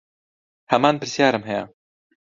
هەمان پرسیارم هەیە.